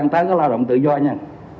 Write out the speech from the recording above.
nó không liên quan tới cái lao động tự do nha